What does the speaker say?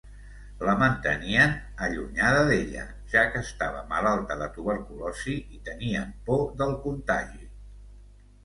La mantenien allunyada d’ella, ja que estava malalta de tuberculosi i tenien por del contagi.